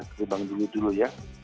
terimbang dulu dulu ya